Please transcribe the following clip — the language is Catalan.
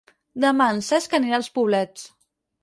Demà en Cesc anirà als Poblets.